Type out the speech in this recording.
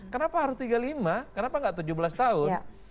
kenapa harus tiga puluh lima kenapa nggak tujuh belas tahun